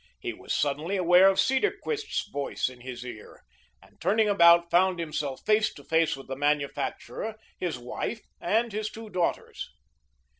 He was suddenly aware of Cedarquist's voice in his ear, and, turning about, found himself face to face with the manufacturer, his wife and his two daughters.